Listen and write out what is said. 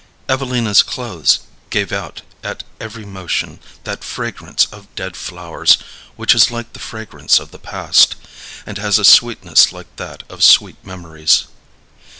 Evelina's clothes gave out at every motion that fragrance of dead flowers which is like the fragrance of the past, and has a sweetness like that of sweet memories.